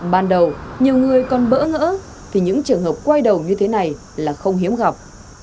ban đầu nhiều người còn bỡ ngỡ thì những trường hợp quay đầu như thế này là không hiếm gặp